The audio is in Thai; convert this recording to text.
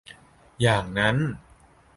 อย่างนั้น